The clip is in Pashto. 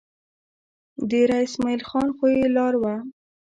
دېره اسمعیل خان خو یې لار وه.